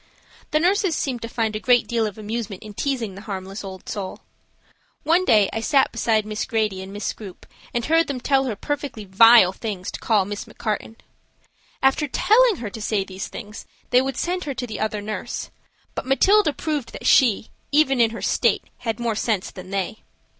The nurses seemed to find a great deal of amusement in teasing the harmless old soul. One day I sat beside Miss Grady and Miss Grupe, and heard them tell her perfectly vile things to call Miss McCarten. After telling her to say these things they would send her to the other nurse, but Matilda proved that she, even in her state, had more sense than they.